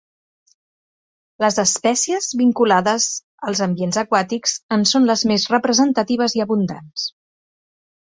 Les espècies vinculades als ambients aquàtics en són les més representatives i abundants.